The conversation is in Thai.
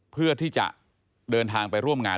เพื่อที่จะเดินทางไปร่วมงาน